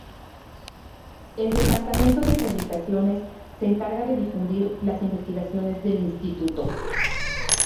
El Departamento de Publicaciones se encarga de difundir las investigaciones del Instituto.